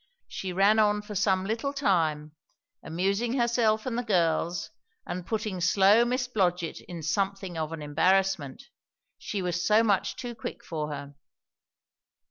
She ran on for some little time, amusing herself and the girls, and putting slow Miss Blodgett in something of an embarrassment, she was so much too quick for her.